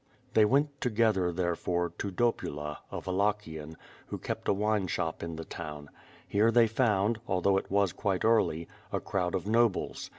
They went together, therefore, to Dopula, a Wallaehian, who kept a wine shop in the town. Here they found, although it was quite early, a crowd of nobles.